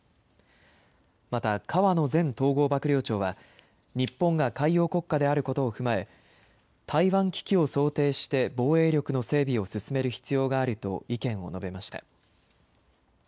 また、河野前統合幕僚長は、日本が海洋国家であることを踏まえ、台湾危機を想定して防衛力の整備を進める必要があると意見を述べました。